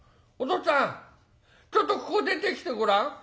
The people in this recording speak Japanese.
ちょっとここ出てきてごらん。